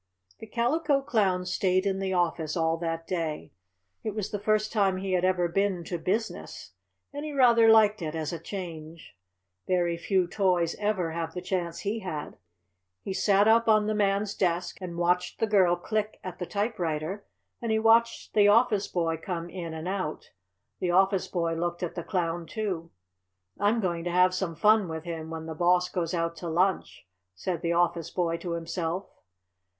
The Calico Clown stayed in the office all that day. It was the first time he had ever been to business, and he rather liked it as a change. Very few toys ever have the chance he had. He sat up on the Man's desk and watched the girl click at the typewriter, and he watched the office boy come in and out. The office boy looked at the Clown, too. "I'm going to have some fun with him when the Boss goes out to lunch," said the office boy to himself.